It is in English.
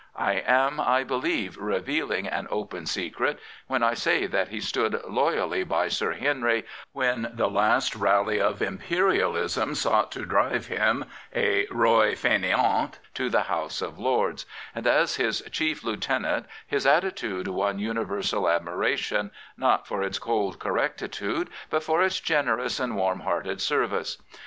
I am, I believe, revealing an open secret when I say that he stood loyally by Sir Henry when the last rally of Imperialism sought to drive him, a roi faineant, to the House of Lords, and as his chief lieutenant his attitude won universal admiration, not for its cold correctitude, but for its generous and warm hearted service.